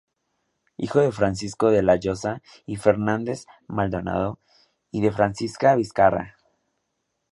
Hijo de Francisco de la Llosa y Fernández Maldonado, y de Francisca Vizcarra.